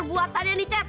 buatannya nih cep